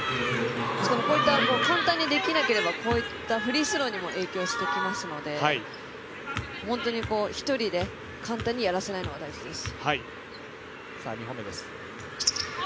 簡単にできなければこういったフリースローにも影響してきますので本当に１人で簡単にやらせないのが大事です。